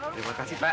terima kasih pak